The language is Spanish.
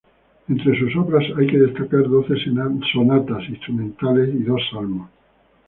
Entre sus obras hay que destacar doce sonatas instrumentales y dos salmos.